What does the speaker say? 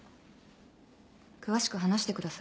詳しく話してください